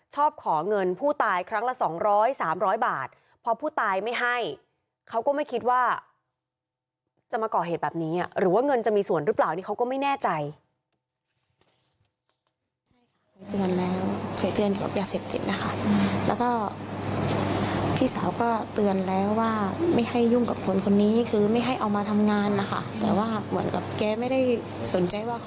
ขอเงินผู้ตายครั้งละ๒๐๐๓๐๐บาทพอผู้ตายไม่ให้เขาก็ไม่คิดว่าจะมาก่อเหตุแบบนี้หรือว่าเงินจะมีส่วนหรือเปล่านี่เขาก็ไม่แน่ใจ